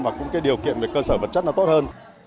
và cũng cái điều kiện về cơ sở vật chất nó tốt hơn